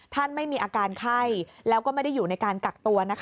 ไม่มีอาการไข้แล้วก็ไม่ได้อยู่ในการกักตัว